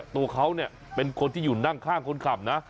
ตัวเขาเป็นคนที่อยู่นั่งข้างคนขับ